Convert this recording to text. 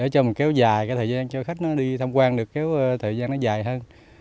thời gian cho khách đi tham quan được kéo thời gian nó dài hơn